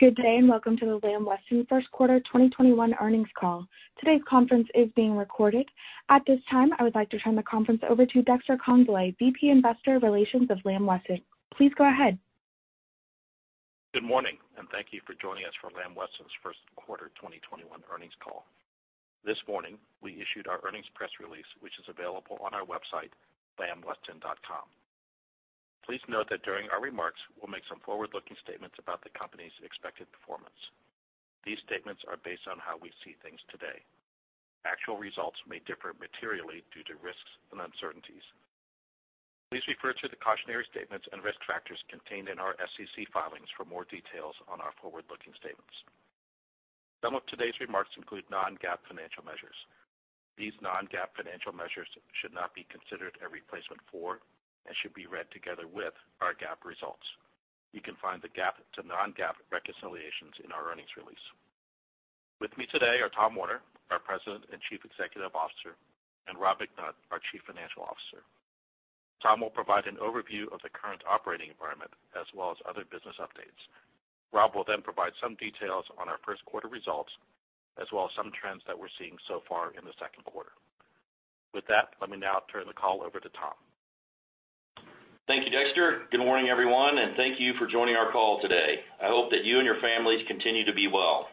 Good day, and welcome to the Lamb Weston first quarter 2021 earnings call. Today's conference is being recorded. At this time, I would like to turn the conference over to Dexter Congbalay, VP Investor Relations of Lamb Weston. Please go ahead. Good morning. Thank you for joining us for Lamb Weston's first quarter 2021 earnings call. This morning, we issued our earnings press release, which is available on our website, lambweston.com. Please note that during our remarks, we'll make some forward-looking statements about the company's expected performance. These statements are based on how we see things today. Actual results may differ materially due to risks and uncertainties. Please refer to the cautionary statements and risk factors contained in our SEC filings for more details on our forward-looking statements. Some of today's remarks include non-GAAP financial measures. These non-GAAP financial measures should not be considered a replacement for and should be read together with our GAAP results. You can find the GAAP to non-GAAP reconciliations in our earnings release. With me today are Tom Werner, our President and Chief Executive Officer, and Rob McNutt, our Chief Financial Officer. Tom will provide an overview of the current operating environment, as well as other business updates. Rob will provide some details on our first quarter results, as well as some trends that we're seeing so far in the second quarter. With that, let me now turn the call over to Tom. Thank you, Dexter. Good morning, everyone. Thank you for joining our call today. I hope that you and your families continue to be well.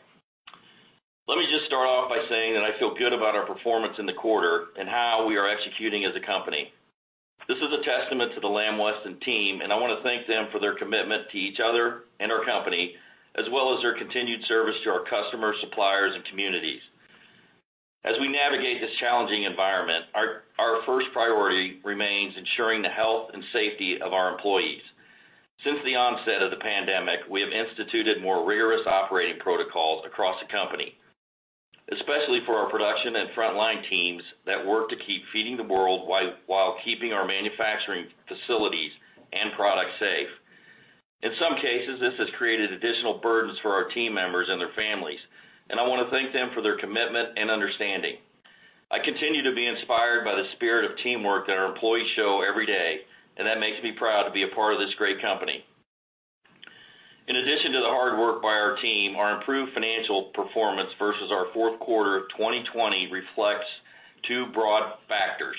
Let me just start off by saying that I feel good about our performance in the quarter and how we are executing as a company. This is a testament to the Lamb Weston team. I want to thank them for their commitment to each other and our company, as well as their continued service to our customers, suppliers, and communities. As we navigate this challenging environment, our first priority remains ensuring the health and safety of our employees. Since the onset of the pandemic, we have instituted more rigorous operating protocols across the company, especially for our production and frontline teams that work to keep feeding the world while keeping our manufacturing facilities and products safe. In some cases, this has created additional burdens for our team members and their families, and I want to thank them for their commitment and understanding. I continue to be inspired by the spirit of teamwork that our employees show every day, and that makes me proud to be a part of this great company. In addition to the hard work by our team, our improved financial performance versus our fourth quarter of 2020 reflects two broad factors.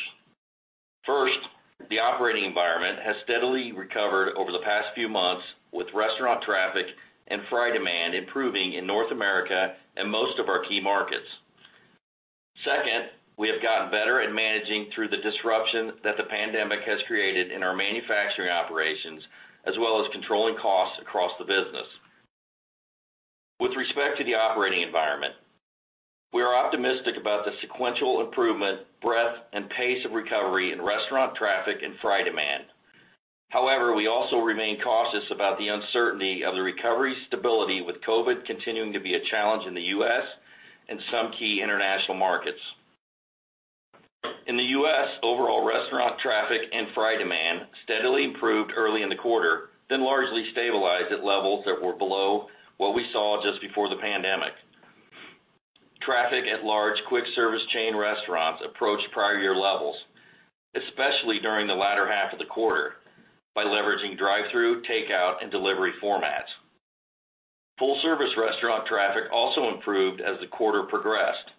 First, the operating environment has steadily recovered over the past few months, with restaurant traffic and fry demand improving in North America and most of our key markets. Second, we have gotten better at managing through the disruption that the pandemic has created in our manufacturing operations, as well as controlling costs across the business. With respect to the operating environment, we are optimistic about the sequential improvement, breadth, and pace of recovery in restaurant traffic and fry demand. We also remain cautious about the uncertainty of the recovery stability with COVID continuing to be a challenge in the U.S. and some key international markets. In the U.S., overall restaurant traffic and fry demand steadily improved early in the quarter, then largely stabilized at levels that were below what we saw just before the pandemic. Traffic at large quick service chain restaurants approached prior year levels, especially during the latter half of the quarter, by leveraging drive-thru, takeout, and delivery formats. Full service restaurant traffic also improved as the quarter progressed,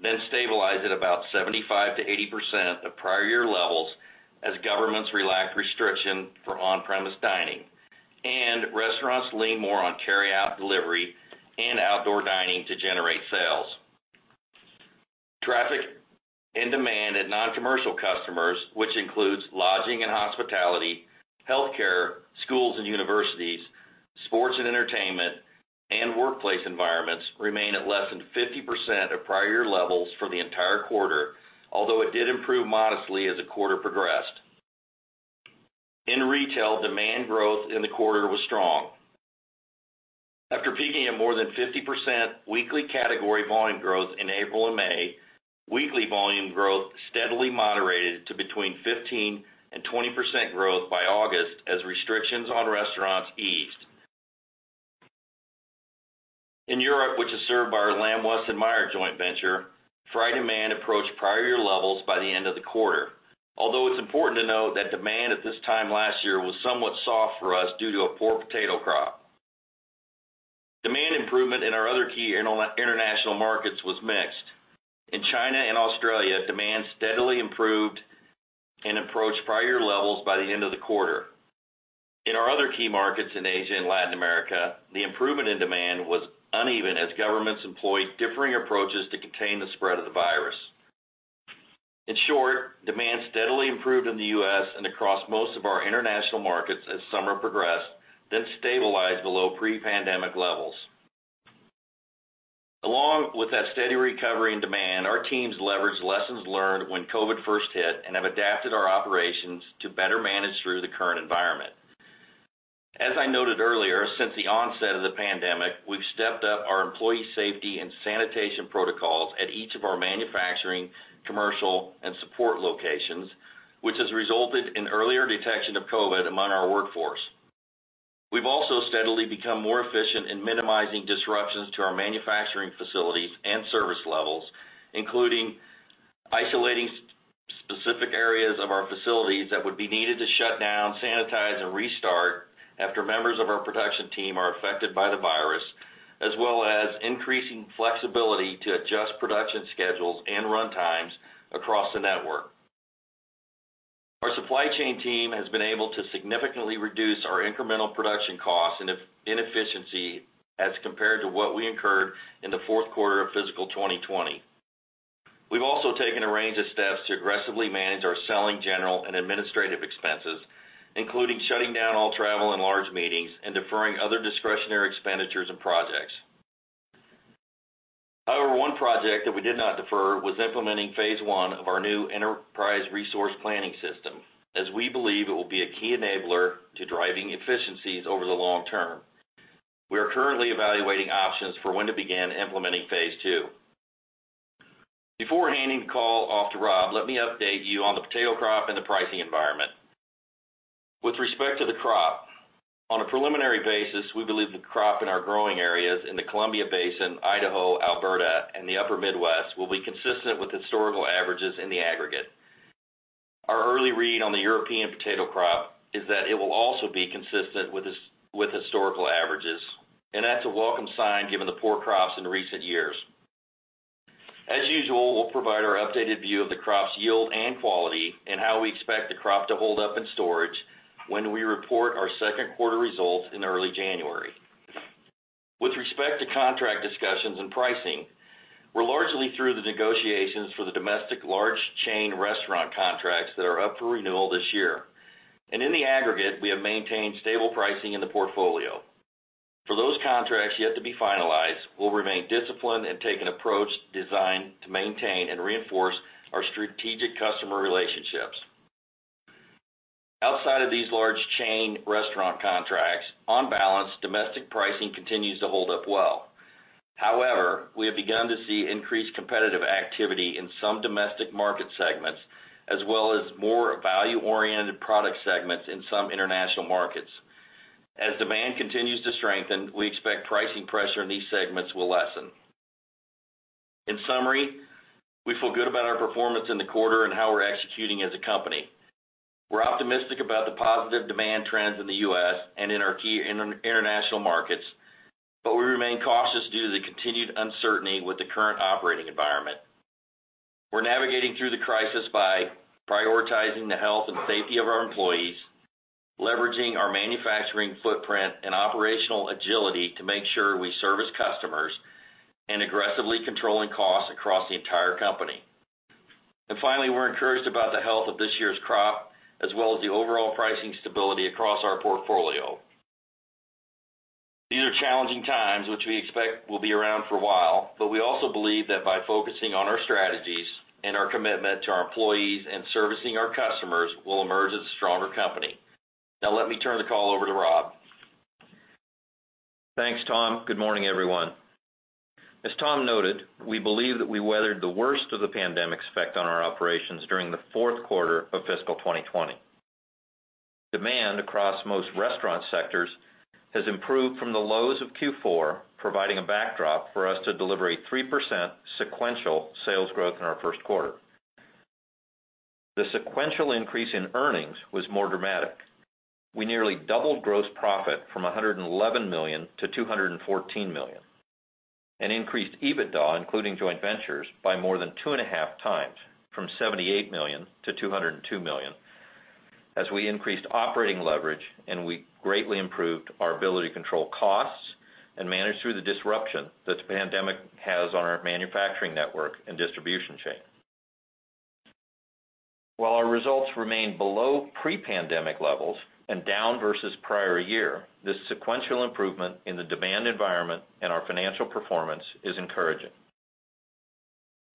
then stabilized at about 75%-80% of prior year levels as governments relaxed restriction for on-premise dining and restaurants leaned more on carryout, delivery, and outdoor dining to generate sales. Traffic and demand at non-commercial customers, which includes lodging and hospitality, healthcare, schools and universities, sports and entertainment, and workplace environments, remain at less than 50% of prior year levels for the entire quarter, although it did improve modestly as the quarter progressed. In retail, demand growth in the quarter was strong. After peaking at more than 50% weekly category volume growth in April and May, weekly volume growth steadily moderated to between 15% and 20% growth by August as restrictions on restaurants eased. In Europe, which is served by our Lamb Weston/Meijer joint venture, fry demand approached prior year levels by the end of the quarter. Although it's important to note that demand at this time last year was somewhat soft for us due to a poor potato crop. Demand improvement in our other key international markets was mixed. In China and Australia, demand steadily improved and approached prior levels by the end of the quarter. In our other key markets in Asia and Latin America, the improvement in demand was uneven as governments employed differing approaches to contain the spread of the virus. In short, demand steadily improved in the U.S. and across most of our international markets as summer progressed, then stabilized below pre-pandemic levels. Along with that steady recovery and demand, our teams leveraged lessons learned when COVID first hit and have adapted our operations to better manage through the current environment. As I noted earlier, since the onset of the pandemic, we've stepped up our employee safety and sanitation protocols at each of our manufacturing, commercial, and support locations, which has resulted in earlier detection of COVID among our workforce. We've also steadily become more efficient in minimizing disruptions to our manufacturing facilities and service levels, including isolating specific areas of our facilities that would be needed to shut down, sanitize, and restart after members of our production team are affected by the virus, as well as increasing flexibility to adjust production schedules and run times across the network. Our supply chain team has been able to significantly reduce our incremental production costs and inefficiency as compared to what we incurred in the fourth quarter of fiscal 2020. We've also taken a range of steps to aggressively manage our selling, general and administrative expenses, including shutting down all travel and large meetings and deferring other discretionary expenditures and projects. One project that we did not defer was implementing phase one of our new enterprise resource planning system, as we believe it will be a key enabler to driving efficiencies over the long term. We are currently evaluating options for when to begin implementing phase two. Before handing the call off to Rob, let me update you on the potato crop and the pricing environment. With respect to the crop, on a preliminary basis, we believe the crop in our growing areas in the Columbia Basin, Idaho, Alberta, and the Upper Midwest will be consistent with historical averages in the aggregate. Our early read on the European potato crop is that it will also be consistent with historical averages, that's a welcome sign given the poor crops in recent years. As usual, we'll provide our updated view of the crop's yield and quality and how we expect the crop to hold up in storage when we report our second quarter results in early January. With respect to contract discussions and pricing, we're largely through the negotiations for the domestic large chain restaurant contracts that are up for renewal this year. In the aggregate, we have maintained stable pricing in the portfolio. For those contracts yet to be finalized, we'll remain disciplined and take an approach designed to maintain and reinforce our strategic customer relationships. Outside of these large chain restaurant contracts, on balance, domestic pricing continues to hold up well. We have begun to see increased competitive activity in some domestic market segments, as well as more value-oriented product segments in some international markets. As demand continues to strengthen, we expect pricing pressure in these segments will lessen. In summary, we feel good about our performance in the quarter and how we're executing as a company. We're optimistic about the positive demand trends in the U.S. and in our key international markets, but we remain cautious due to the continued uncertainty with the current operating environment. We're navigating through the crisis by prioritizing the health and safety of our employees, leveraging our manufacturing footprint and operational agility to make sure we service customers, and aggressively controlling costs across the entire company. Finally, we're encouraged about the health of this year's crop as well as the overall pricing stability across our portfolio. These are challenging times, which we expect will be around for a while, but we also believe that by focusing on our strategies and our commitment to our employees and servicing our customers, we'll emerge as a stronger company. Now, let me turn the call over to Rob. Thanks, Tom. Good morning, everyone. As Tom noted, we believe that we weathered the worst of the pandemic's effect on our operations during the fourth quarter of fiscal 2020. Demand across most restaurant sectors has improved from the lows of Q4, providing a backdrop for us to deliver a 3% sequential sales growth in our first quarter. The sequential increase in earnings was more dramatic. We nearly doubled gross profit from $111 million-$214 million, and increased EBITDA, including joint ventures, by more 2.5x, from $78 million-$202 million, as we increased operating leverage, and we greatly improved our ability to control costs and manage through the disruption that the pandemic has on our manufacturing network and distribution chain. While our results remain below pre-pandemic levels and down versus prior year, this sequential improvement in the demand environment and our financial performance is encouraging.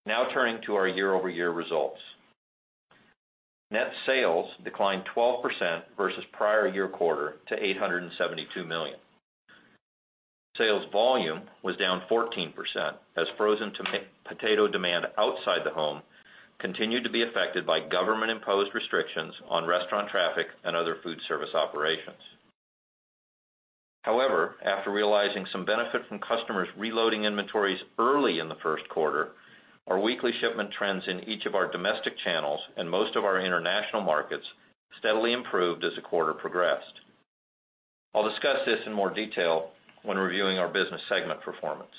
Now, turning to our year-over-year results. Net sales declined 12% versus prior year quarter to $872 million. Sales volume was down 14% as frozen potato demand outside the home continued to be affected by government-imposed restrictions on restaurant traffic and other food service operations. However, after realizing some benefit from customers reloading inventories early in the first quarter, our weekly shipment trends in each of our domestic channels and most of our international markets steadily improved as the quarter progressed. I'll discuss this in more detail when reviewing our business segment performance.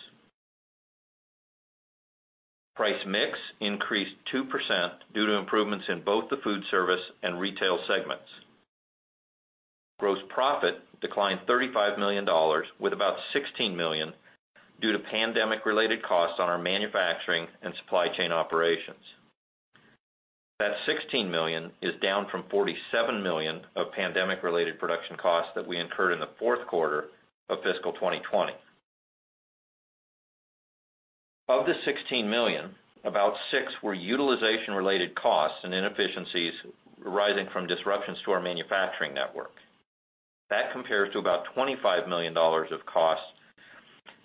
Price mix increased 2% due to improvements in both the Foodservice and Retail segments. Gross profit declined $35 million, with about $16 million due to pandemic-related costs on our manufacturing and supply chain operations. That $16 million is down from $47 million of pandemic-related production costs that we incurred in the fourth quarter of fiscal 2020. Of the $16 million, about $6 were utilization-related costs and inefficiencies arising from disruptions to our manufacturing network. That compares to about $25 million of costs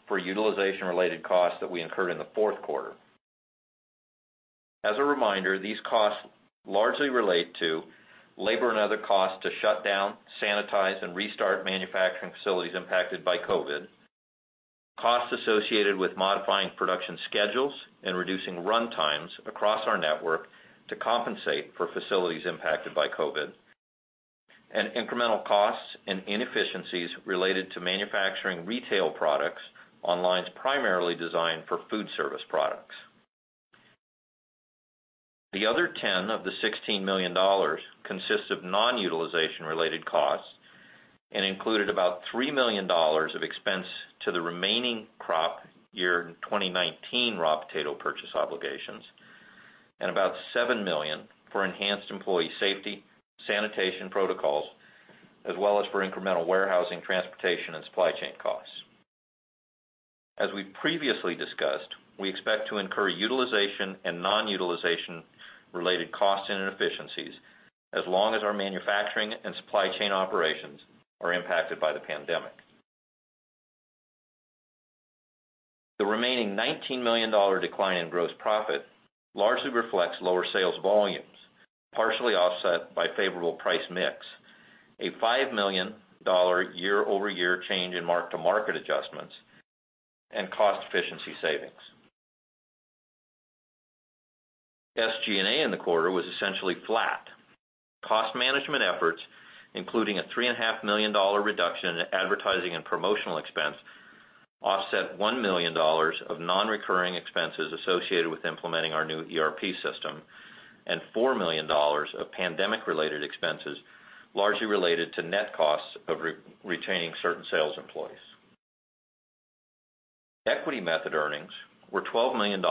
for utilization-related costs that we incurred in the fourth quarter. As a reminder, these costs largely relate to labor and other costs to shut down, sanitize, and restart manufacturing facilities impacted by COVID, costs associated with modifying production schedules and reducing run times across our network to compensate for facilities impacted by COVID, and incremental costs and inefficiencies related to manufacturing retail products on lines primarily designed for food service products. The other 10 of the $16 million consists of non-utilization related costs and included about $3 million of expense to the remaining crop year 2019 raw potato purchase obligations, and about $7 million for enhanced employee safety, sanitation protocols, as well as for incremental warehousing, transportation, and supply chain costs. As we previously discussed, we expect to incur utilization and non-utilization related costs and inefficiencies as long as our manufacturing and supply chain operations are impacted by the pandemic. The remaining $19 million decline in gross profit largely reflects lower sales volumes, partially offset by favorable price mix, a $5 million year-over-year change in mark-to-market adjustments, and cost efficiency savings. SG&A in the quarter was essentially flat. Cost management efforts, including a $3.5 million reduction in advertising and promotional expense, offset $1 million of non-recurring expenses associated with implementing our new ERP system, and $4 million of pandemic-related expenses largely related to net costs of retaining certain sales employees. Equity method earnings were $12 million,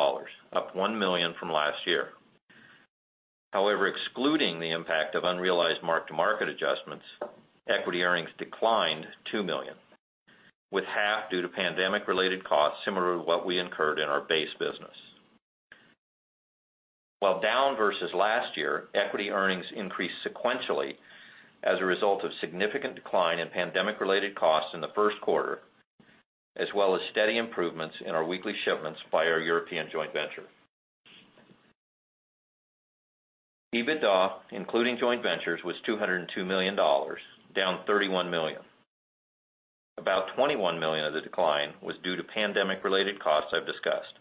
up $1 million from last year. However, excluding the impact of unrealized mark-to-market adjustments, equity earnings declined $2 million, with half due to pandemic-related costs, similar to what we incurred in our base business. While down versus last year, equity earnings increased sequentially as a result of significant decline in pandemic-related costs in the first quarter, as well as steady improvements in our weekly shipments by our European joint venture. EBITDA, including joint ventures, was $202 million, down $31 million. About $21 million of the decline was due to pandemic-related costs I've discussed.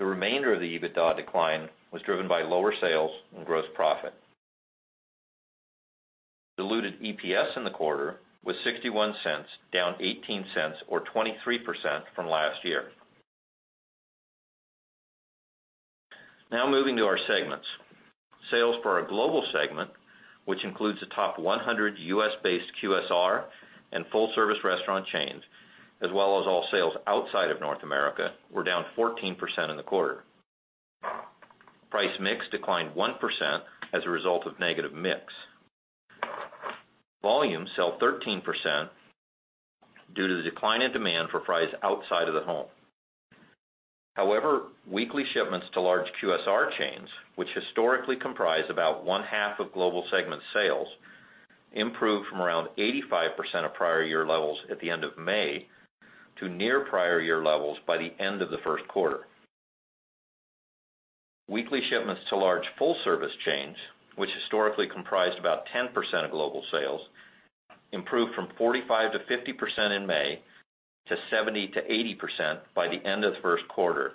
The remainder of the EBITDA decline was driven by lower sales and gross profit. Diluted EPS in the quarter was $0.61, down $0.18 or 23% from last year. Moving to our segments. Sales for our global segment, which includes the top 100 U.S.-based QSR and full-service restaurant chains, as well as all sales outside of North America, were down 14% in the quarter. Price mix declined 1% as a result of negative mix. Volume fell 13% due to the decline in demand for fries outside of the home. Weekly shipments to large QSR chains, which historically comprise about one half of global segment sales, improved from around 85% of prior year levels at the end of May to near prior year levels by the end of the first quarter. Weekly shipments to large full-service chains, which historically comprised about 10% of Global sales, improved from 45%-50% in May to 70%-80% by the end of the first quarter,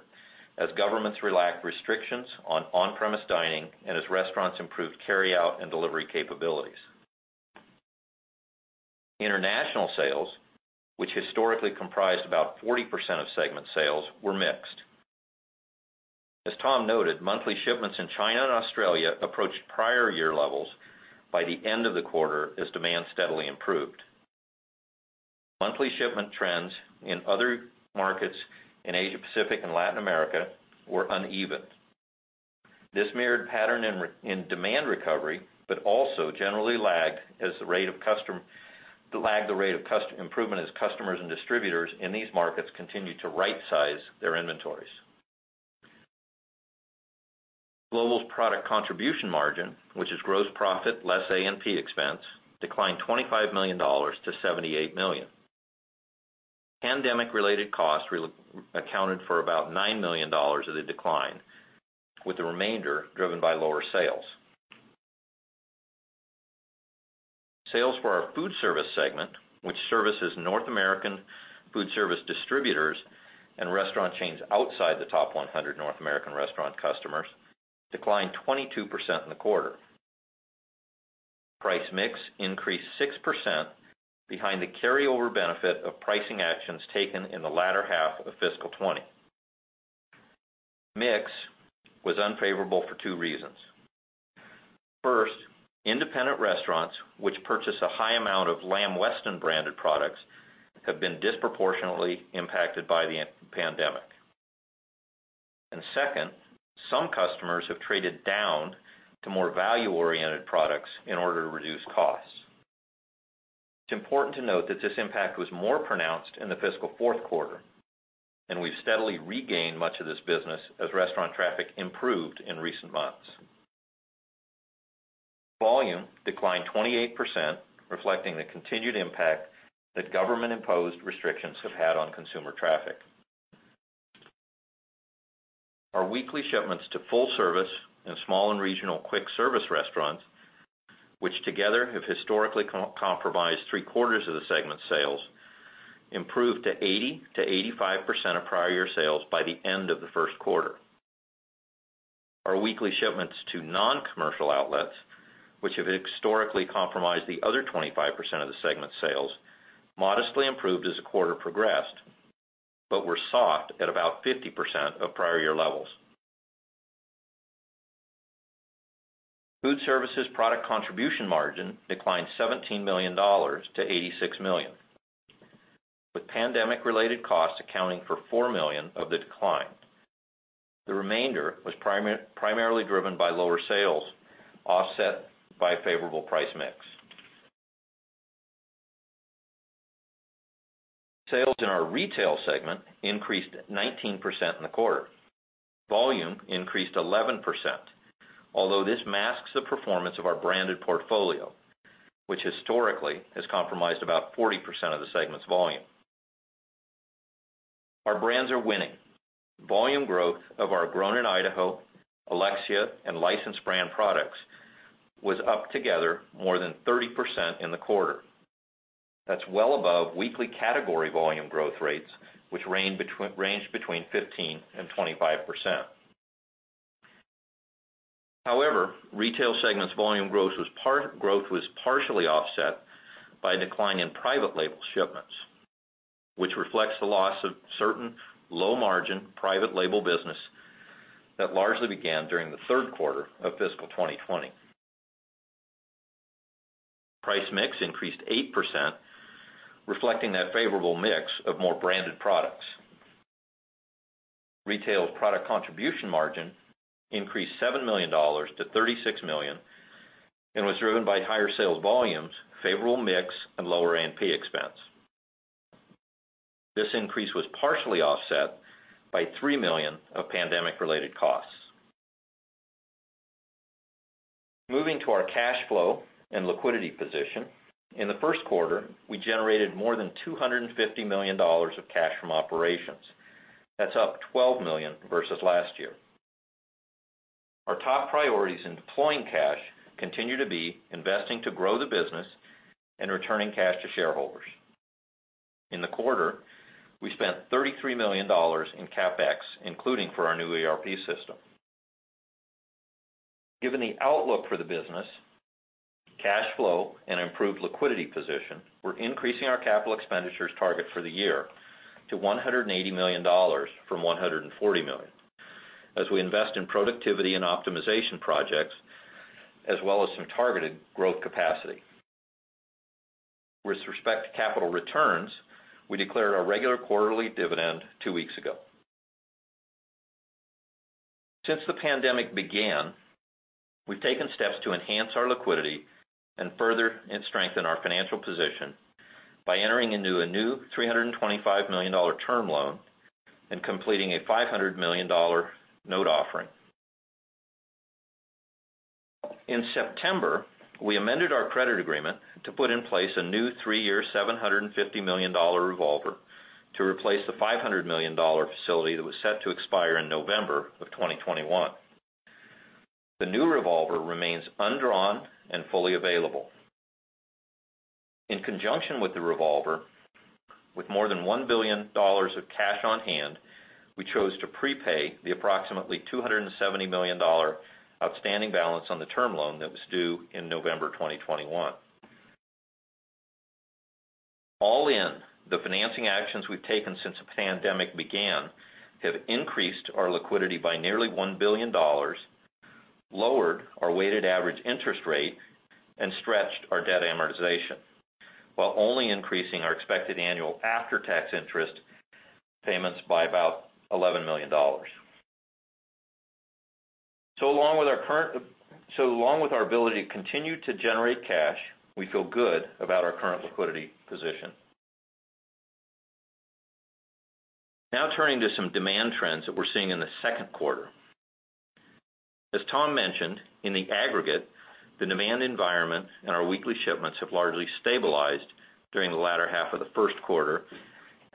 as governments relaxed restrictions on on-premise dining and as restaurants improved carryout and delivery capabilities. International sales, which historically comprised about 40% of segment sales, were mixed. As Tom noted, monthly shipments in China and Australia approached prior year levels by the end of the quarter as demand steadily improved. Monthly shipment trends in other markets in Asia-Pacific and Latin America were uneven. This mirrored pattern in demand recovery, but also generally lagged the rate of improvement as customers and distributors in these markets continued to right-size their inventories. Global's product contribution margin, which is gross profit less A&P expense, declined $25 million-$78 million. Pandemic-related costs accounted for about $9 million of the decline, with the remainder driven by lower sales. Sales for our Foodservice segment, which services North American food service distributors and restaurant chains outside the top 100 North American restaurant customers, declined 22% in the quarter. Price mix increased 6% behind the carryover benefit of pricing actions taken in the latter half of fiscal 2020. Mix was unfavorable for two reasons. First, independent restaurants, which purchase a high amount of Lamb Weston branded products, have been disproportionately impacted by the pandemic. Second, some customers have traded down to more value-oriented products in order to reduce costs. It's important to note that this impact was more pronounced in the fiscal fourth quarter, we've steadily regained much of this business as restaurant traffic improved in recent months. Volume declined 28%, reflecting the continued impact that government-imposed restrictions have had on consumer traffic. Our weekly shipments to full service in small and regional quick service restaurants, which together have historically comprised three quarters of the segment sales, improved to 80%-85% of prior year sales by the end of the first quarter. Our weekly shipments to non-commercial outlets, which have historically comprised the other 25% of the segment sales, modestly improved as the quarter progressed, but were soft at about 50% of prior year levels. Foodservices product contribution margin declined $17 million-$86 million, with pandemic related costs accounting for $4 million of the decline. The remainder was primarily driven by lower sales offset by favorable price mix. Sales in our retail segment increased 19% in the quarter. Volume increased 11%, although this masks the performance of our branded portfolio, which historically has comprised about 40% of the segment's volume. Our brands are winning. Volume growth of our Grown in Idaho, Alexia, and licensed brand products was up together more than 30% in the quarter. That's well above weekly category volume growth rates, which range between 15% and 25%. Retail segment's volume growth was partially offset by a decline in private label shipments, which reflects the loss of certain low margin private label business that largely began during the third quarter of fiscal 2020. Price mix increased 8%, reflecting that favorable mix of more branded products. Retail's product contribution margin increased $7 million-$36 million and was driven by higher sales volumes, favorable mix, and lower A&P expense. This increase was partially offset by $3 million of pandemic related costs. Moving to our cash flow and liquidity position. In the first quarter, we generated more than $250 million of cash from operations. That's up $12 million versus last year. Our top priorities in deploying cash continue to be investing to grow the business and returning cash to shareholders. In the quarter, we spent $33 million in CapEx, including for our new ERP system. Given the outlook for the business, cash flow, and improved liquidity position, we're increasing our capital expenditures target for the year to $180 million from $140 million, as we invest in productivity and optimization projects, as well as some targeted growth capacity. With respect to capital returns, we declared our regular quarterly dividend two weeks ago. Since the pandemic began, we've taken steps to enhance our liquidity and further strengthen our financial position by entering into a new $325 million term loan and completing a $500 million note offering. In September, we amended our credit agreement to put in place a new three-year, $750 million revolver to replace the $500 million facility that was set to expire in November of 2021. The new revolver remains undrawn and fully available. In conjunction with the revolver, with more than $1 billion of cash on hand, we chose to prepay the approximately $270 million outstanding balance on the term loan that was due in November 2021. All in, the financing actions we've taken since the pandemic began have increased our liquidity by nearly $1 billion, lowered our weighted average interest rate, and stretched our debt amortization, while only increasing our expected annual after-tax interest payments by about $11 million. Along with our ability to continue to generate cash, we feel good about our current liquidity position. Now turning to some demand trends that we're seeing in the second quarter. As Tom mentioned, in the aggregate, the demand environment and our weekly shipments have largely stabilized during the latter half of the first quarter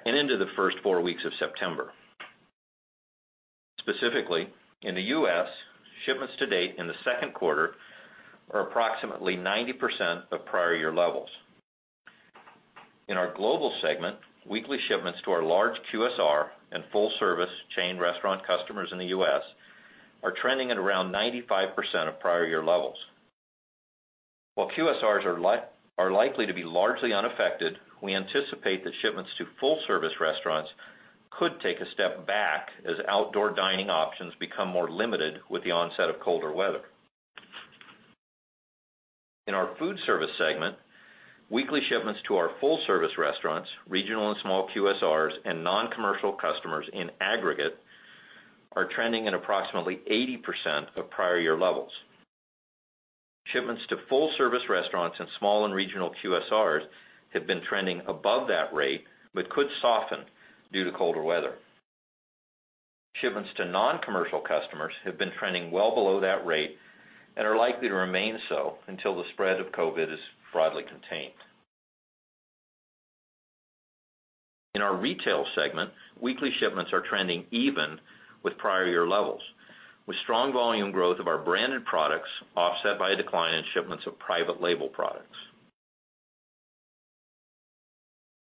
and into the first four weeks of September. Specifically, in the U.S., shipments to date in the second quarter are approximately 90% of prior year levels. In our global segment, weekly shipments to our large QSR and full service chain restaurant customers in the U.S. are trending at around 95% of prior year levels. While QSRs are likely to be largely unaffected, we anticipate that shipments to full service restaurants could take a step back as outdoor dining options become more limited with the onset of colder weather. In our Foodservice segment, weekly shipments to our full service restaurants, regional and small QSRs, and non-commercial customers in aggregate are trending at approximately 80% of prior year levels. Shipments to full service restaurants and small and regional QSRs have been trending above that rate, but could soften due to colder weather. Shipments to non-commercial customers have been trending well below that rate and are likely to remain so until the spread of COVID is broadly contained. In our retail segment, weekly shipments are trending even with prior year levels, with strong volume growth of our branded products offset by a decline in shipments of private label products.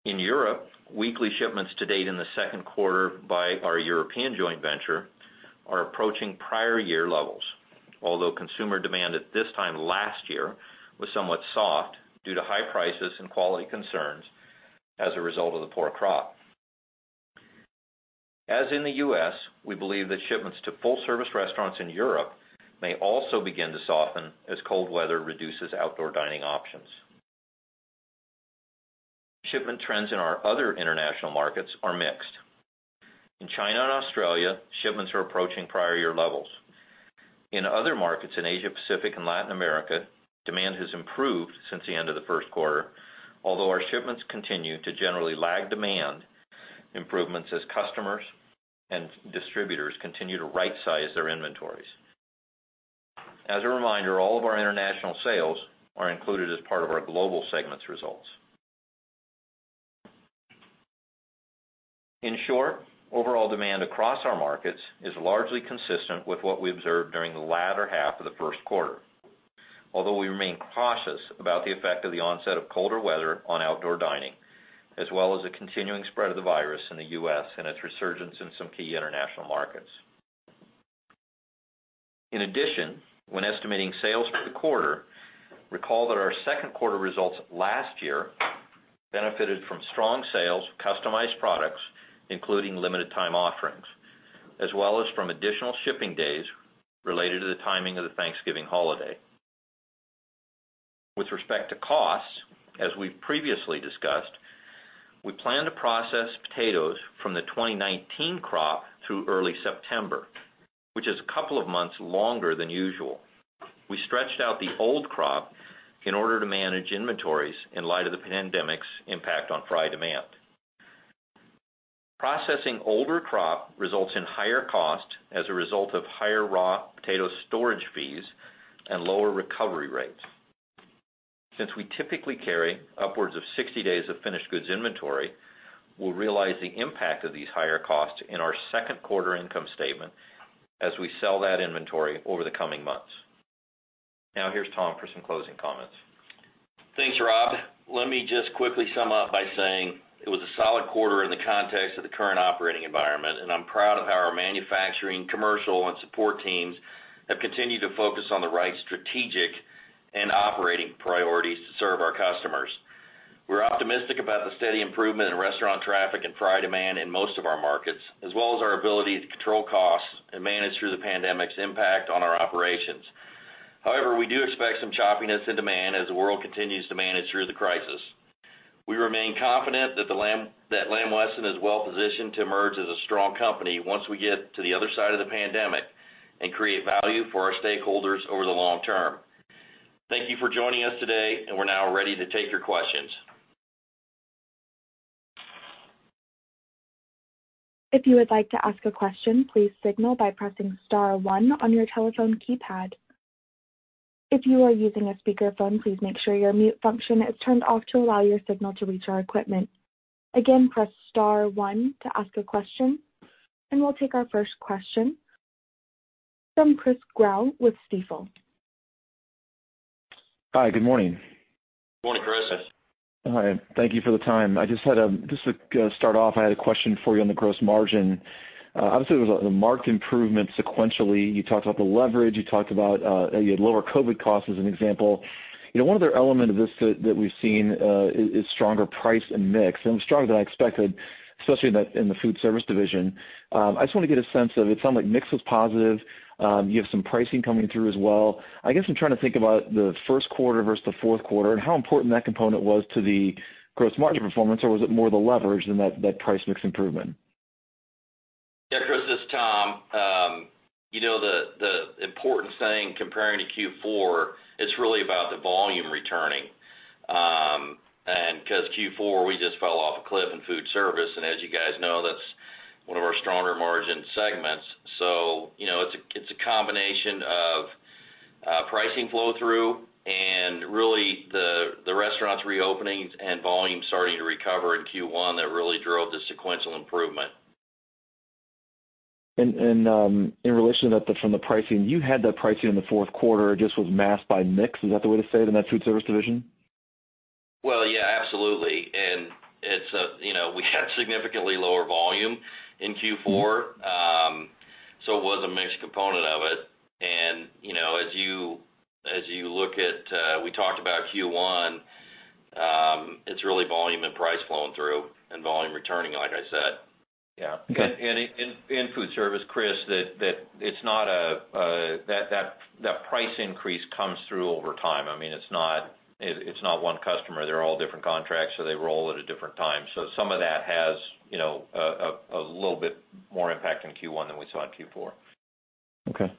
In Europe, weekly shipments to date in the second quarter by our European joint venture are approaching prior year levels. Although consumer demand at this time last year was somewhat soft due to high prices and quality concerns as a result of the poor crop. As in the U.S., we believe that shipments to full service restaurants in Europe may also begin to soften as cold weather reduces outdoor dining options. Shipment trends in our other international markets are mixed. In China and Australia, shipments are approaching prior year levels. In other markets in Asia-Pacific and Latin America, demand has improved since the end of the first quarter, although our shipments continue to generally lag demand improvements as customers and distributors continue to right-size their inventories. As a reminder, all of our international sales are included as part of our global segments results. In short, overall demand across our markets is largely consistent with what we observed during the latter half of the first quarter. Although we remain cautious about the effect of the onset of colder weather on outdoor dining, as well as the continuing spread of the virus in the U.S. and its resurgence in some key international markets. In addition, when estimating sales for the quarter, recall that our second quarter results last year benefited from strong sales of customized products, including limited time offerings, as well as from additional shipping days related to the timing of the Thanksgiving holiday. With respect to costs, as we've previously discussed, we plan to process potatoes from the 2019 crop through early September, which is a couple of months longer than usual. We stretched out the old crop in order to manage inventories in light of the pandemic's impact on fry demand. Processing older crop results in higher cost as a result of higher raw potato storage fees and lower recovery rates. Since we typically carry upwards of 60 days of finished goods inventory, we'll realize the impact of these higher costs in our second quarter income statement as we sell that inventory over the coming months. Here's Tom for some closing comments. Thanks, Rob. Let me just quickly sum up by saying it was a solid quarter in the context of the current operating environment, and I'm proud of how our manufacturing, commercial, and support teams have continued to focus on the right strategic and operating priorities to serve our customers. We're optimistic about the steady improvement in restaurant traffic and fry demand in most of our markets, as well as our ability to control costs and manage through the pandemic's impact on our operations. However, we do expect some choppiness in demand as the world continues to manage through the crisis. We remain confident that Lamb Weston is well positioned to emerge as a strong company once we get to the other side of the pandemic and create value for our stakeholders over the long term. Thank you for joining us today, and we're now ready to take your questions. If you would like to ask a question, please signal by pressing star one on your telephone keypad. If you are using a speakerphone, please make sure your mute function is turned off to allow your signal to reach our equipment. Again, press star one to ask a question, and we'll take our first question from Chris Growe with Stifel. Hi, good morning. Good morning, Chris. Hi, thank you for the time. Just to start off, I had a question for you on the gross margin. Obviously, it was a marked improvement sequentially. You talked about the leverage, you talked about you had lower COVID costs as an example. One other element of this that we've seen is stronger price and mix, and stronger than I expected, especially in the Foodservice division. I just want to get a sense of, it sounded like mix was positive. You have some pricing coming through as well. I guess I'm trying to think about the first quarter versus the fourth quarter and how important that component was to the gross margin performance, or was it more the leverage than that price mix improvement? Yeah, Chris, this is Tom. The important thing comparing to Q4, it's really about the volume returning, and because Q4, we just fell off a cliff in Foodservice, and as you guys know, that's one of our stronger margin segments. It's a combination of pricing flow through and really the restaurants reopenings and volume starting to recover in Q1 that really drove the sequential improvement. In relation to that from the pricing, you had that pricing in the fourth quarter, it just was masked by mix. Is that the way to say it in that Foodservice division? Well, yeah, absolutely. We had significantly lower volume in Q4, so it was a mix component of it. We talked about Q1, it's really volume and price flowing through and volume returning, like I said. Yeah. In Food Service, Chris, that price increase comes through over time. It's not one customer. They're all different contracts, so they roll at a different time. Some of that has a little bit more impact in Q1 than we saw in Q4. Okay.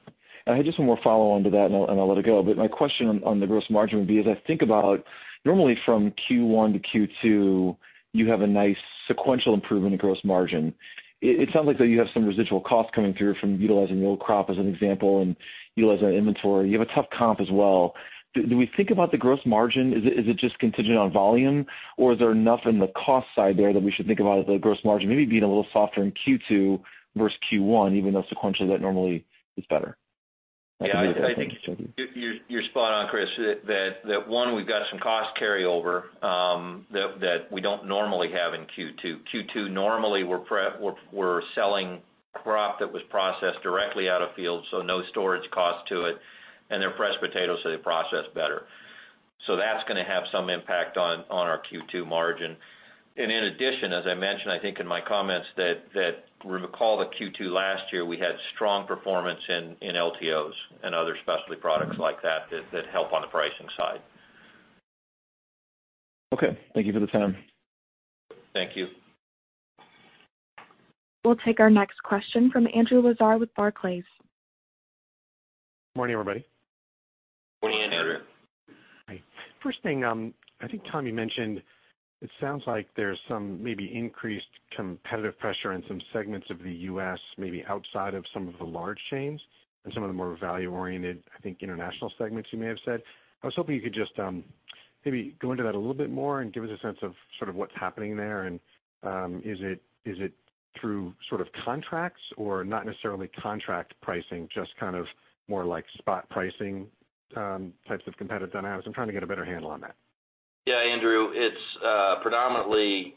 I had just one more follow-on to that, and I'll let it go. My question on the gross margin would be, as I think about normally from Q1 to Q2, you have a nice sequential improvement in gross margin. It sounds like that you have some residual costs coming through from utilizing old crop as an example, and utilizing inventory. You have a tough comp as well. Do we think about the gross margin? Is it just contingent on volume, or is there enough in the cost side there that we should think about as the gross margin maybe being a little softer in Q2 versus Q1, even though sequentially that normally is better? I think you're spot on, Chris, that one, we've got some cost carryover that we don't normally have in Q2. Q2, normally, we're selling crop that was processed directly out of field, so no storage cost to it, and they're fresh potatoes, so they process better. That's going to have some impact on our Q2 margin. In addition, as I mentioned, I think in my comments that recall that Q2 last year, we had strong performance in LTOs and other specialty products like that help on the pricing side. Okay. Thank you for the time. Thank you. We'll take our next question from Andrew Lazar with Barclays. Morning, everybody. Morning, Andrew. Hi. First thing, I think Tom, you mentioned it sounds like there's some maybe increased competitive pressure in some segments of the U.S., maybe outside of some of the large chains and some of the more value-oriented, I think, international segments you may have said. I was hoping you could just maybe go into that a little bit more and give us a sense of sort of what's happening there, and is it through sort of contracts or not necessarily contract pricing, just kind of more like spot pricing types of competitive dynamics? I'm trying to get a better handle on that. Andrew, it's predominantly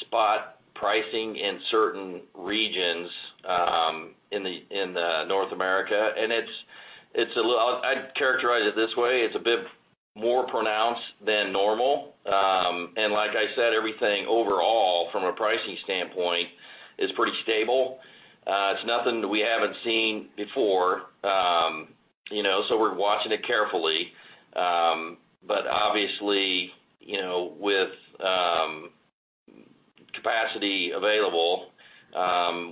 spot pricing in certain regions in North America. I'd characterize it this way. It's a bit more pronounced than normal. Like I said, everything overall from a pricing standpoint is pretty stable. It's nothing that we haven't seen before. We're watching it carefully. Obviously, with capacity available,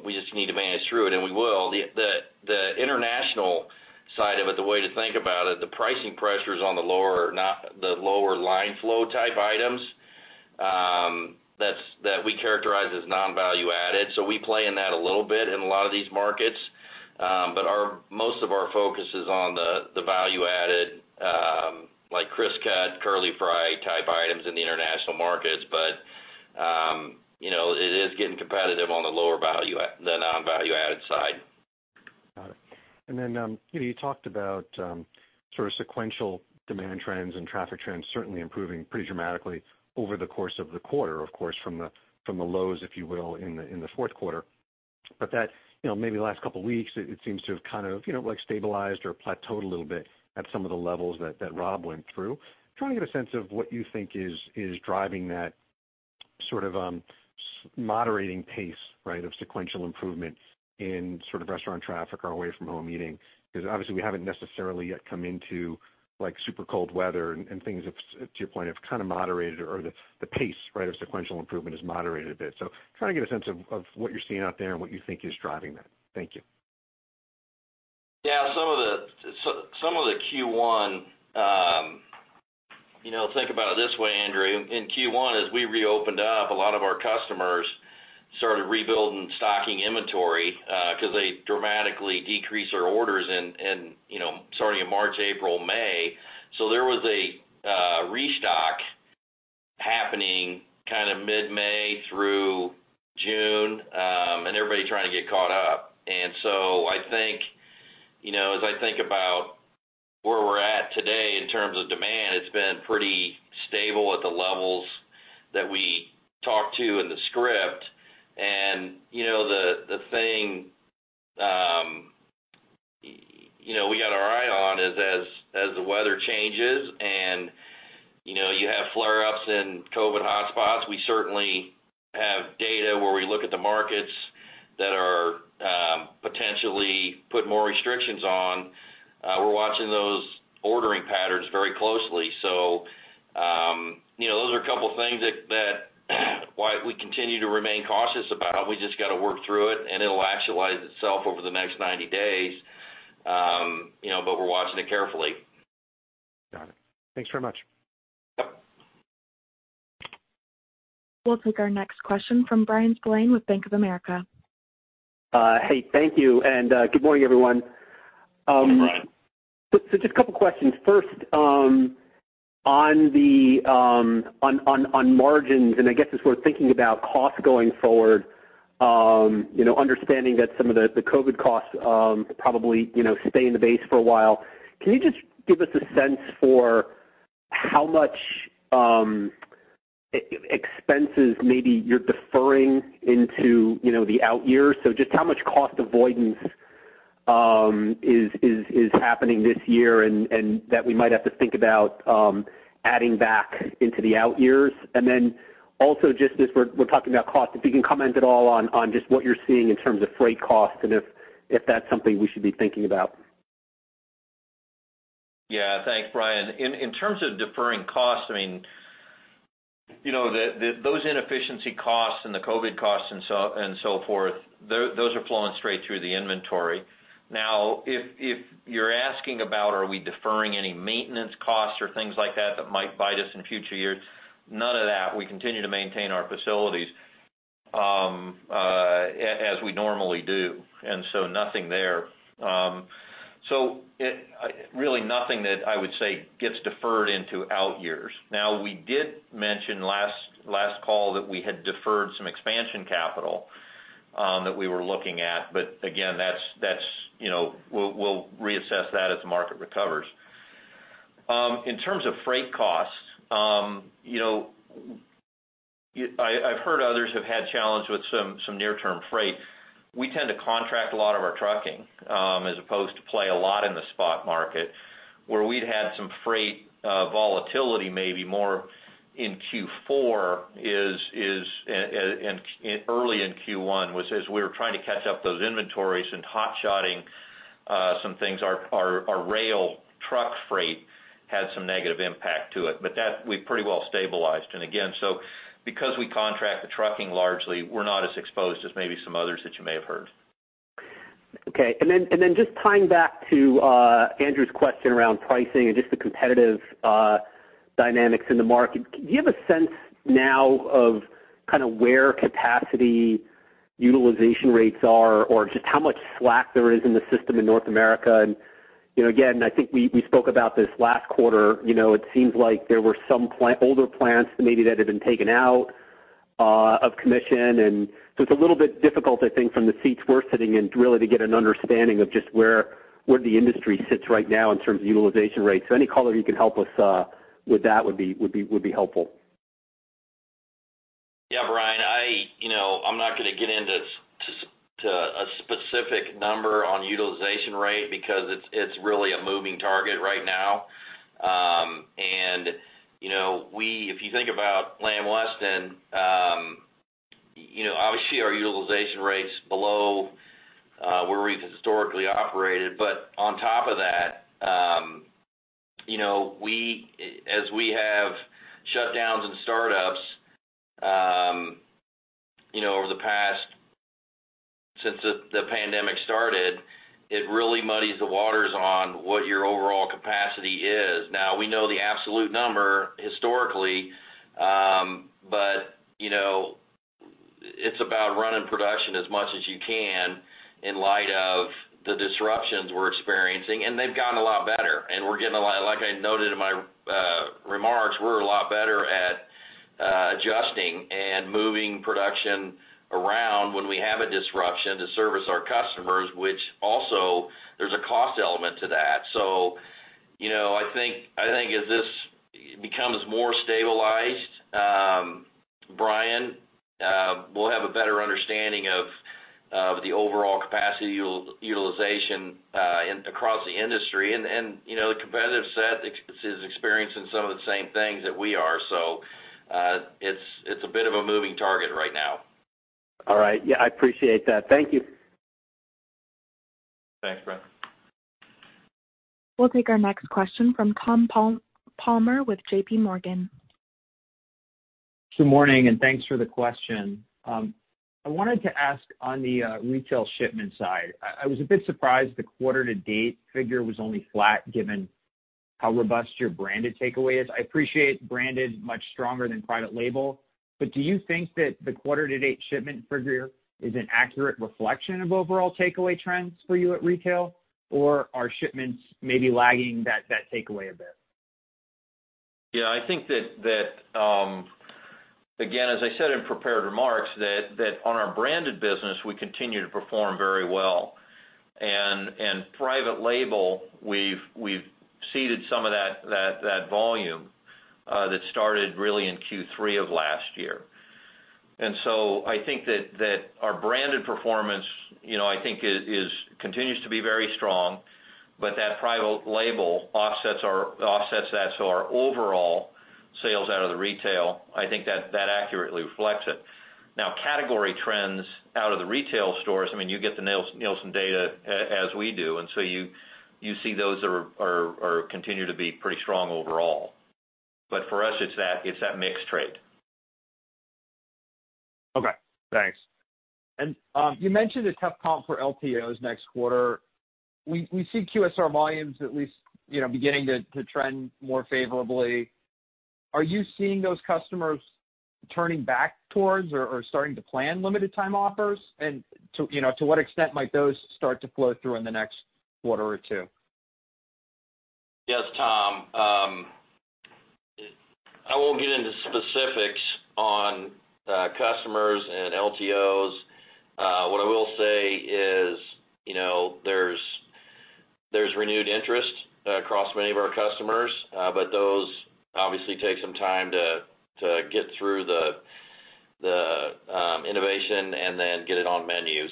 we just need to manage through it. We will. The international side of it, the way to think about it, the pricing pressure is on the lower line flow type items that we characterize as non-value added. We play in that a little bit in a lot of these markets. Most of our focus is on the value added, like CrissCut, curly fry type items in the international markets. It is getting competitive on the lower value, the non-value added side. Got it. Then you talked about sort of sequential demand trends and traffic trends certainly improving pretty dramatically over the course of the quarter, of course, from the lows, if you will, in the fourth quarter. That maybe last couple weeks, it seems to have kind of stabilized or plateaued a little bit at some of the levels that Rob went through. Trying to get a sense of what you think is driving that sort of moderating pace, right, of sequential improvement in sort of restaurant traffic or away from home eating. Obviously we haven't necessarily yet come into super cold weather and things have, to your point, have kind of moderated or the pace, right, of sequential improvement has moderated a bit. Trying to get a sense of what you're seeing out there and what you think is driving that. Thank you. Some of the Q1-- think about it this way, Andrew. In Q1, as we reopened up, a lot of our customers started rebuilding stocking inventory because they dramatically decreased their orders starting in March, April, May. There was a restock happening kind of mid-May through June, and everybody trying to get caught up. I think as I think about where we're at today in terms of demand, it's been pretty stable at the levels that we talked to in the script. The thing we got our eye on is as the weather changes and you have flare-ups in COVID hotspots, we certainly have data where we look at the markets that are potentially put more restrictions on. We're watching those ordering patterns very closely. Those are a couple things that why we continue to remain cautious about. We just got to work through it, and it'll actualize itself over the next 90 days. We're watching it carefully. Got it. Thanks very much. Yep. We'll take our next question from Bryan Spillane with Bank of America. Hey, thank you, and good morning, everyone. Good morning. Just a couple questions. First, on margins, I guess as we're thinking about cost going forward, understanding that some of the COVID costs probably stay in the base for a while, can you just give us a sense for how much expenses maybe you're deferring into the out years? Just how much cost avoidance is happening this year and that we might have to think about adding back into the out years? Then also just as we're talking about cost, if you can comment at all on just what you're seeing in terms of freight cost and if that's something we should be thinking about. Yeah. Thanks, Bryan. In terms of deferring costs, those inefficiency costs and the COVID costs and so forth, those are flowing straight through the inventory. If you're asking about are we deferring any maintenance costs or things like that that might bite us in future years, none of that. We continue to maintain our facilities as we normally do. Nothing there. Really nothing that I would say gets deferred into out years. We did mention last call that we had deferred some expansion capital that we were looking at, but again, we'll reassess that as the market recovers. In terms of freight costs, I've heard others have had challenges with some near-term freight. We tend to contract a lot of our trucking, as opposed to play a lot in the spot market. Where we'd had some freight volatility, maybe more in Q4 and early in Q1, was as we were trying to catch up those inventories and hot-shotting some things. Our rail truck freight had some negative impact to it, that we've pretty well stabilized. Again, because we contract the trucking largely, we're not as exposed as maybe some others that you may have heard. Okay. Just tying back to Andrew's question around pricing and just the competitive dynamics in the market, do you have a sense now of where capacity utilization rates are or just how much slack there is in the system in North America? Again, I think we spoke about this last quarter. It seems like there were some older plants maybe that had been taken out of commission. It's a little bit difficult, I think, from the seats we're sitting in, really to get an understanding of just where the industry sits right now in terms of utilization rates. Any color you can help us with that would be helpful. Yeah, Bryan, I'm not going to get into a specific number on utilization rate because it's really a moving target right now. If you think about Lamb Weston, obviously our utilization rate's below where we've historically operated. On top of that, as we have shutdowns and startups since the pandemic started, it really muddies the waters on what your overall capacity is. Now, we know the absolute number historically, but it's about running production as much as you can in light of the disruptions we're experiencing, and they've gotten a lot better. Like I noted in my remarks, we're a lot better at adjusting and moving production around when we have a disruption to service our customers, which also there's a cost element to that. I think as this becomes more stabilized, Bryan, we'll have a better understanding of the overall capacity utilization across the industry. The competitive set is experiencing some of the same things that we are. It's a bit of a moving target right now. All right. Yeah, I appreciate that. Thank you. Thanks, Bryan. We'll take our next question from Tom Palmer with JPMorgan. Good morning, and thanks for the question. I wanted to ask on the retail shipment side, I was a bit surprised the quarter-to-date figure was only flat given how robust your branded takeaway is. I appreciate branded much stronger than private label, but do you think that the quarter-to-date shipment figure is an accurate reflection of overall takeaway trends for you at retail, or are shipments maybe lagging that takeaway a bit? I think that, again, as I said in prepared remarks, that on our branded business, we continue to perform very well. Private label, we've ceded some of that volume that started really in Q3 of last year. I think that our branded performance continues to be very strong, but that private label offsets that. Our overall sales out of the retail, I think that accurately reflects it. Category trends out of the retail stores, you get the Nielsen data as we do, and so you see those continue to be pretty strong overall. For us, it's that mixed rate. Okay, thanks. You mentioned a tough comp for LTOs next quarter. We see QSR volumes at least beginning to trend more favorably. Are you seeing those customers turning back towards or starting to plan limited time offers? To what extent might those start to flow through in the next quarter or two? Yes, Tom. I won't get into specifics on customers and LTOs. What I will say is there's renewed interest across many of our customers, but those obviously take some time to get through the innovation and then get it on menu.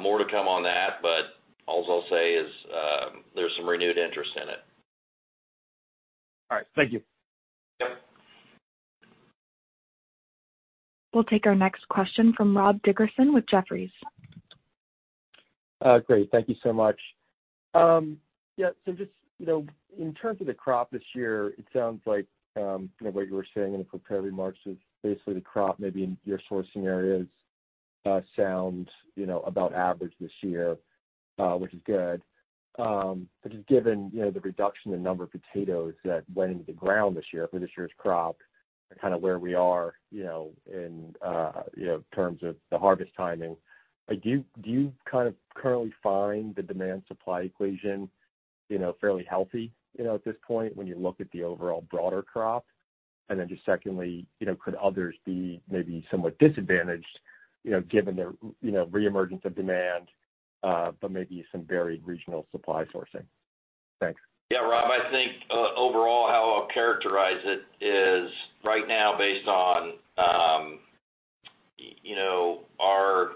More to come on that, but alls I'll say is there's some renewed interest in it. All right. Thank you. We'll take our next question from Rob Dickerson with Jefferies. Great. Thank you so much. Yeah. In terms of the crop this year, it sounds like what you were saying in the prepared remarks was basically the crop maybe in your sourcing areas sounds about average this year, which is good. Just given the reduction in number of potatoes that went into the ground this year for this year's crop and kind of where we are in terms of the harvest timing, do you kind of currently find the demand-supply equation fairly healthy at this point when you look at the overall broader crop? Just secondly, could others be maybe somewhat disadvantaged, given the reemergence of demand, but maybe some varied regional supply sourcing? Thanks. Yeah, Rob, I think, overall how I'll characterize it is right now based on our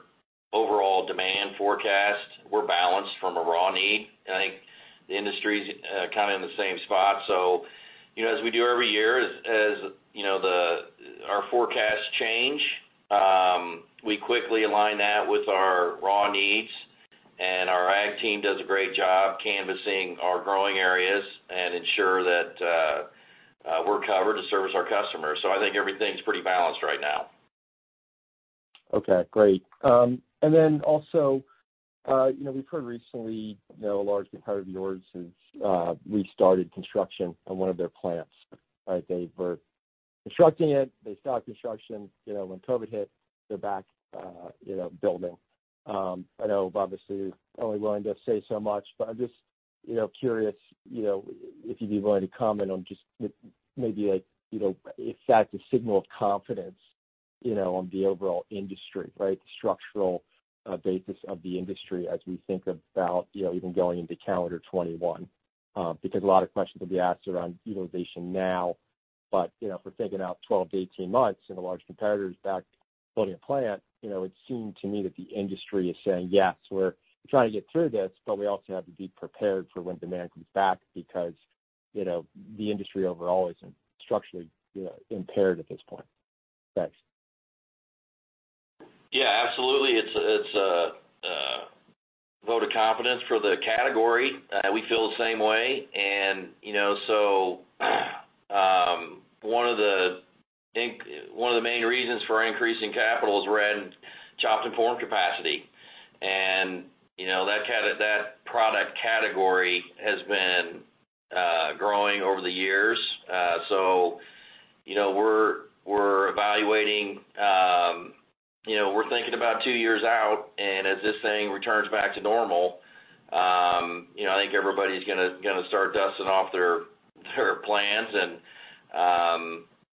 overall demand forecast, we're balanced from a raw need. I think the industry's kind of in the same spot. As we do every year, as our forecasts change, we quickly align that with our raw needs, and our ag team does a great job canvassing our growing areas and ensure that we're covered to service our customers. I think everything's pretty balanced right now. Okay, great. Then also we've heard recently a large competitor of yours has restarted construction on one of their plants. They were constructing it. They stopped construction when COVID hit. They're back building. I know obviously you're only willing to say so much, I'm just curious if you'd be willing to comment on just maybe if that's a signal of confidence on the overall industry, right? The structural basis of the industry as we think about even going into calendar 2021. A lot of questions will be asked around utilization now. If we're thinking out 12-18 months and the large competitor's back building a plant, it would seem to me that the industry is saying, "Yes, we're trying to get through this, but we also have to be prepared for when demand comes back," the industry overall isn't structurally impaired at this point. Thanks. Yeah, absolutely. It's a vote of confidence for the category. We feel the same way. One of the main reasons for our increase in capital was around chopped and formed capacity. That product category has been growing over the years. We're evaluating, we're thinking about two years out, and as this thing returns back to normal, I think everybody's going to start dusting off their plans and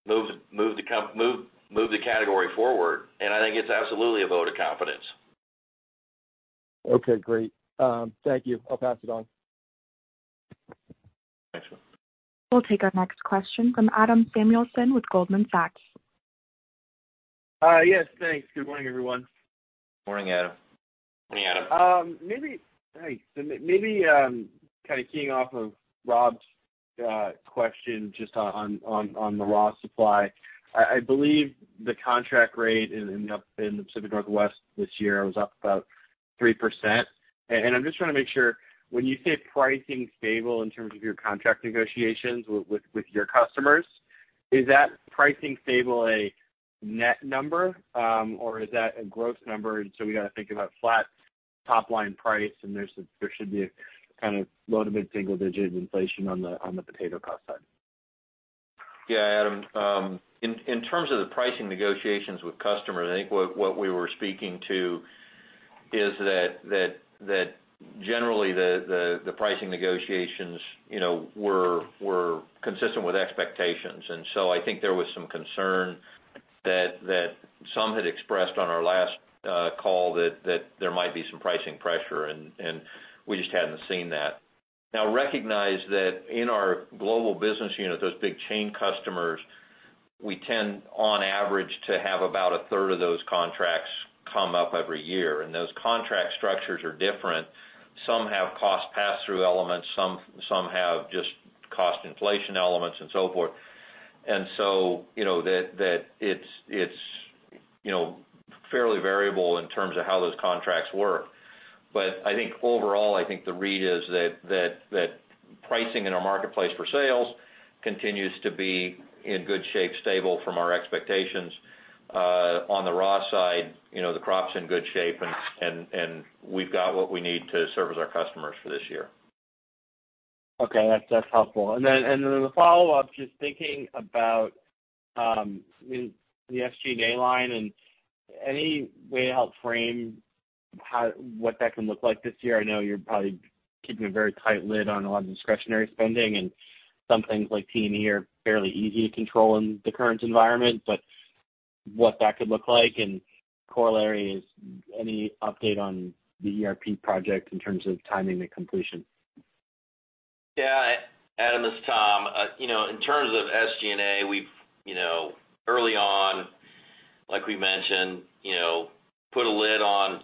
move the category forward. I think it's absolutely a vote of confidence. Okay, great. Thank you. I'll pass it on. Thanks, Rob. We'll take our next question from Adam Samuelson with Goldman Sachs. Yes, thanks. Good morning, everyone. Morning, Adam. Morning, Adam. Thanks. Maybe kind of keying off of Rob's question just on the raw supply, I believe the contract rate in the Pacific Northwest this year was up about 3%. I'm just trying to make sure, when you say pricing's stable in terms of your contract negotiations with your customers, is that pricing stable a net number? Is that a gross number, and so we've got to think about flat top-line price, and there should be a kind of low- to mid-single digit inflation on the potato cost side? Yeah, Adam. In terms of the pricing negotiations with customers, I think what we were speaking to is that generally, the pricing negotiations were consistent with expectations. I think there was some concern that some had expressed on our last call that there might be some pricing pressure, and we just hadn't seen that. Now, recognize that in our global business unit, those big chain customers, we tend, on average, to have about a third of those contracts come up every year, and those contract structures are different. Some have cost pass-through elements, some have just cost inflation elements, and so forth. That it's fairly variable in terms of how those contracts work. I think overall, I think the read is that pricing in our marketplace for sales continues to be in good shape, stable from our expectations. On the raw side, the crop's in good shape. We've got what we need to service our customers for this year. Okay. That's helpful. The follow-up, just thinking about the SG&A line and any way to help frame what that can look like this year. I know you're probably keeping a very tight lid on a lot of discretionary spending, and some things like T&E are fairly easy to control in the current environment, but what that could look like and corollary is any update on the ERP project in terms of timing and completion? Yeah, Adam, it's Tom. In terms of SG&A, we've early on, like we mentioned, put a lid on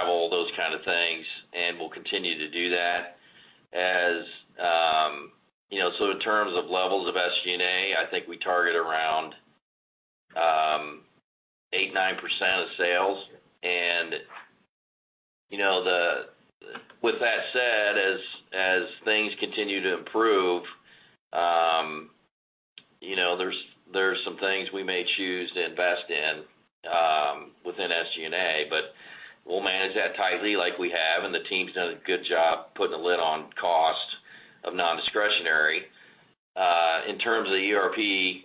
all those kind of things, and we'll continue to do that. In terms of levels of SG&A, I think we target around 8, 9% of sales. With that said, as things continue to improve, there's some things we may choose to invest in within SG&A, but we'll manage that tightly like we have, and the team's done a good job putting a lid on cost of nondiscretionary. In terms of the ERP.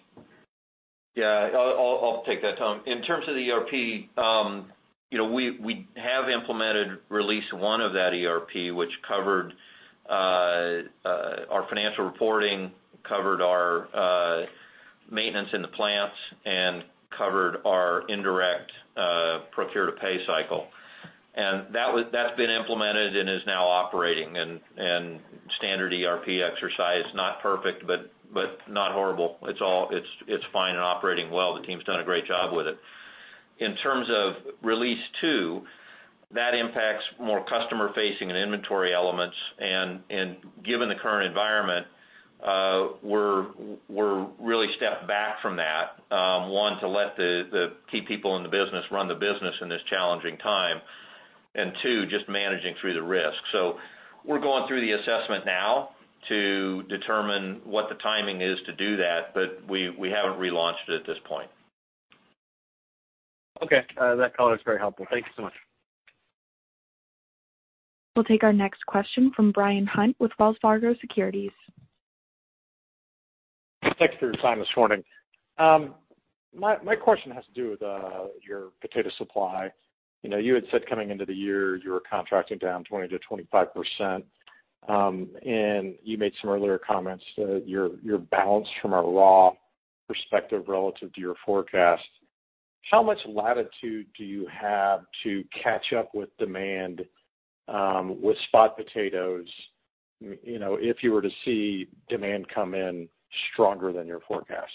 I'll take that, Tom. In terms of the ERP, we have implemented release 1 of that ERP, which covered our financial reporting, covered our maintenance in the plants, and covered our indirect procure-to-pay cycle. That's been implemented and is now operating. Standard ERP exercise, not perfect, but not horrible. It's fine and operating well. The team's done a great job with it. In terms of release 2, that impacts more customer-facing and inventory elements. Given the current environment, we're really stepped back from that, one, to let the key people in the business run the business in this challenging time, and two, just managing through the risk. We're going through the assessment now to determine what the timing is to do that, but we haven't relaunched it at this point. Okay. That color's very helpful. Thank you so much. We'll take our next question from Brian Hunt with Wells Fargo Securities. Thanks for your time this morning. My question has to do with your potato supply. You had said coming into the year, you were contracting down 20%-25%, and you made some earlier comments that you're balanced from a raw perspective relative to your forecast. How much latitude do you have to catch up with demand with spot potatoes if you were to see demand come in stronger than your forecast?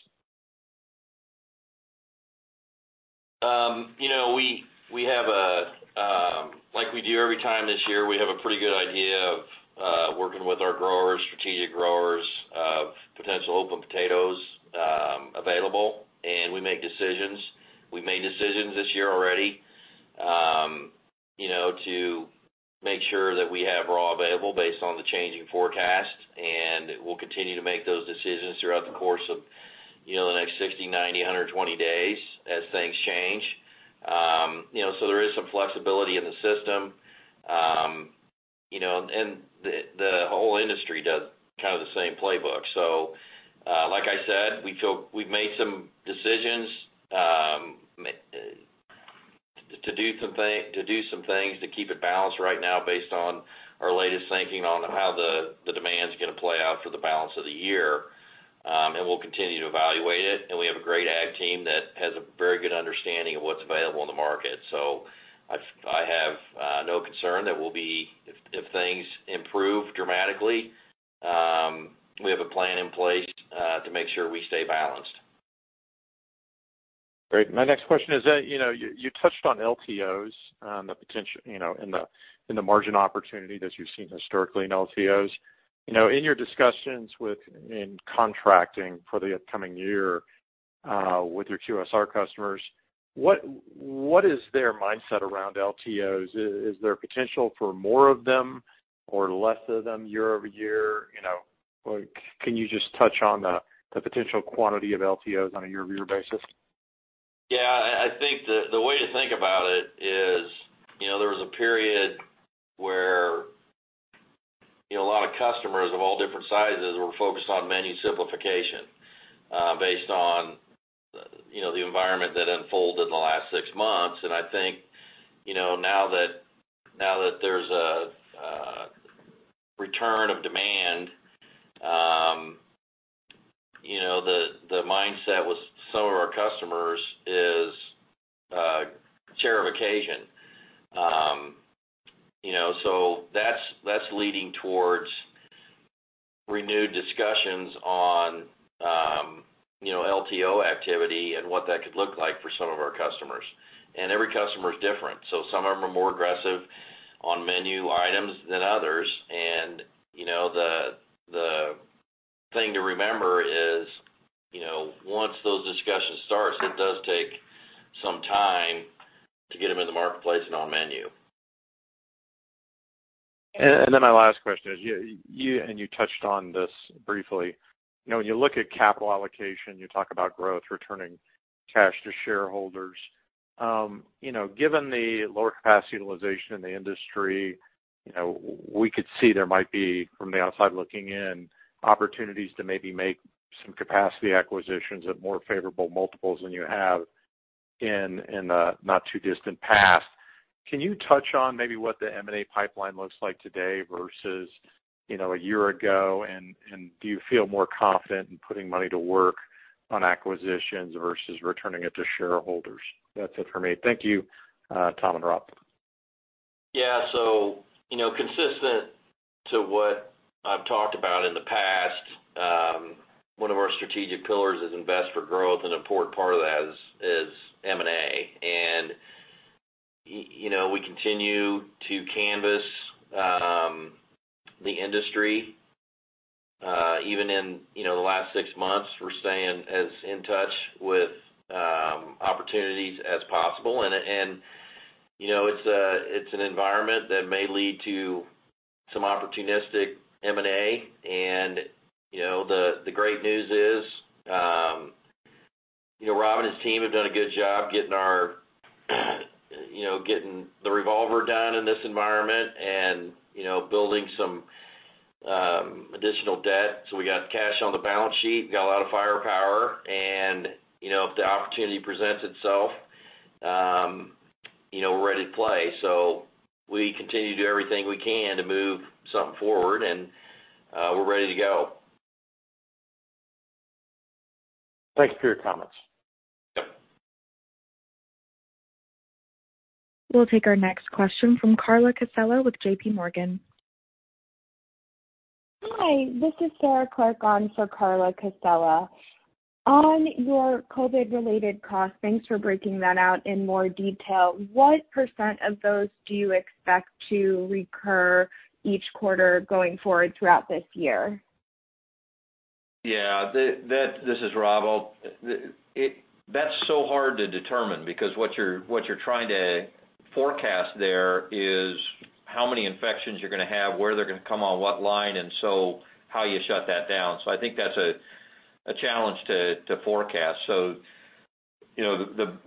Like we do every time this year, we have a pretty good idea of working with our growers, strategic growers, potential open potatoes available, and we make decisions. We made decisions this year already to make sure that we have raw available based on the changing forecast, and we'll continue to make those decisions throughout the course of the next 60, 90, 120 days as things change. There is some flexibility in the system. The whole industry does kind of the same playbook. Like I said, we've made some decisions to do some things to keep it balanced right now based on our latest thinking on how the demand's going to play out for the balance of the year, and we'll continue to evaluate it. We have a great ag team that has a very good understanding of what's available in the market. I have no concern if things improve dramatically, we have a plan in place to make sure we stay balanced. Great. My next question is, you touched on LTOs and the margin opportunity that you've seen historically in LTOs. In your discussions in contracting for the upcoming year with your QSR customers, what is their mindset around LTOs? Is there potential for more of them or less of them year-over-year? Can you just touch on the potential quantity of LTOs on a year-over-year basis? Yeah, I think the way to think about it is there was a period where a lot of customers of all different sizes were focused on menu simplification based on the environment that unfolded in the last six months. I think now that there's a return of demand, the mindset with some of our customers is diversification. That's leading towards renewed discussions on LTO activity and what that could look like for some of our customers. Every customer is different, so some of them are more aggressive on menu items than others. The thing to remember is once those discussions start, it does take some time to get them in the marketplace and on menu. My last question is, and you touched on this briefly. When you look at capital allocation, you talk about growth, returning cash to shareholders. Given the lower capacity utilization in the industry, we could see there might be, from the outside looking in, opportunities to maybe make some capacity acquisitions at more favorable multiples than you have in the not too distant past. Can you touch on maybe what the M&A pipeline looks like today versus a year ago? Do you feel more confident in putting money to work on acquisitions versus returning it to shareholders? That's it for me. Thank you, Tom and Rob. Yeah. Consistent to what I've talked about in the past. One of our strategic pillars is invest for growth, and an important part of that is M&A. We continue to canvas the industry. Even in the last six months, we're staying as in touch with opportunities as possible. It's an environment that may lead to some opportunistic M&A. The great news is Rob and his team have done a good job getting the revolver done in this environment and building some additional debt. We got cash on the balance sheet, got a lot of firepower, and if the opportunity presents itself, we're ready to play. We continue to do everything we can to move something forward, and we're ready to go. Thanks for your comments. Yep. We'll take our next question from Carla Casella with JPMorgan. Hi, this is Sarah Clark on for Carla Casella. On your COVID-related costs, thanks for breaking that out in more detail. What % of those do you expect to recur each quarter going forward throughout this year? Yeah. This is Rob. That's so hard to determine because what you're trying to forecast there is how many infections you're going to have, where they're going to come on what line, and so how you shut that down. I think that's a challenge to forecast. The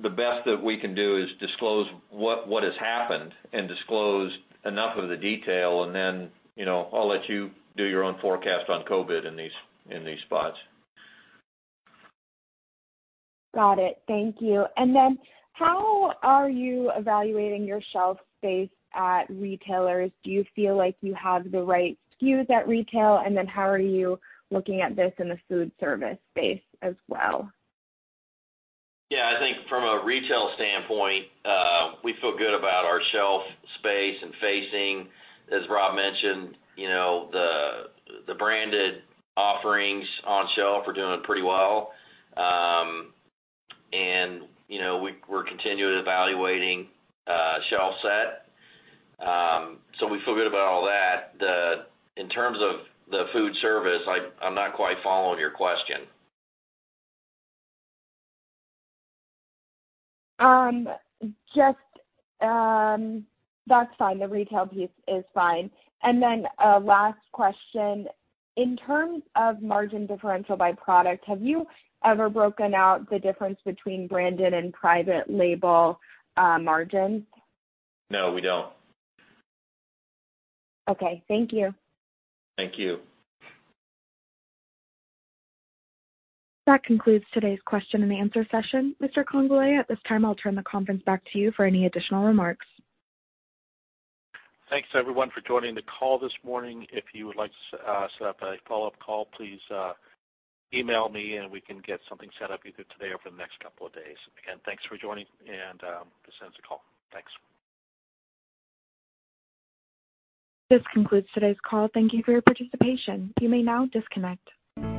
best that we can do is disclose what has happened and disclose enough of the detail and then I'll let you do your own forecast on COVID in these spots. Got it. Thank you. How are you evaluating your shelf space at retailers? Do you feel like you have the right SKUs at retail? How are you looking at this in the food service space as well? Yeah, I think from a retail standpoint, we feel good about our shelf space and facing. As Rob mentioned, the branded offerings on shelf are doing pretty well. We're continuing evaluating shelf set. We feel good about all that. In terms of the Food Service, I'm not quite following your question. That's fine. The retail piece is fine. A last question. In terms of margin differential by product, have you ever broken out the difference between branded and private label margins? No, we don't. Okay. Thank you. Thank you. That concludes today's question-and-answer session. Mr. Congbalay, at this time I'll turn the conference back to you for any additional remarks. Thanks everyone for joining the call this morning. If you would like to set up a follow-up call, please email me, and we can get something set up either today or over the next couple of days. Again, thanks for joining and this ends the call. Thanks. This concludes today's call. Thank you for your participation. You may now disconnect.